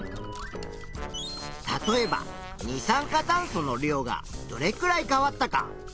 例えば二酸化炭素の量がどれくらい変わったか。